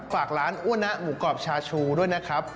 ฝากร้านอ้วนนะหมูกรอบชาชูด้วยนะครับ